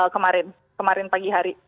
kemarin kemarin pagi hari